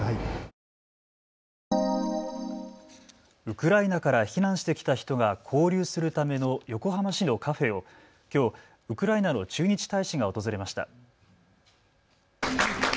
ウクライナから避難してきた人が交流するための横浜市のカフェをきょう、ウクライナの駐日大使が訪れました。